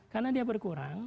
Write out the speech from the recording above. karena dia berkurang